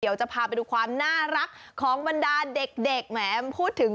เดี๋ยวจะพาไปดูความน่ารักของบรรดาเด็กแหมพูดถึง